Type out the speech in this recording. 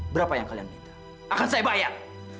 berapa yang kalian minta akan saya bayar